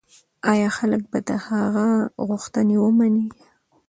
ایا خلک به د هغه غوښتنې ومني؟